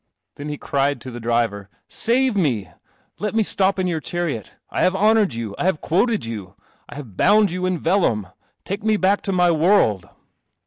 Then he cried to the driver, " Save me! Let me stop in your chariot. I have honoured you. I have quoted you. I have bound you in vellum. Take me back to my world."